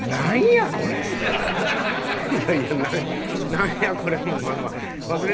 いやいや「なんや？これ」も。